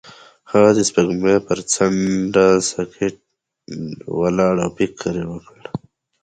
هغه د سپوږمۍ پر څنډه ساکت ولاړ او فکر وکړ.